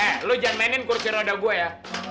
hei lo jangan mainin kursi roda gue ya